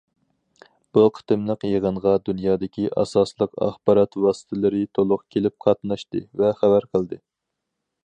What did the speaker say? بۇ قېتىملىق يىغىنغا دۇنيادىكى ئاساسلىق ئاخبارات ۋاسىتىلىرى تولۇق كېلىپ قاتناشتى ۋە خەۋەر قىلدى.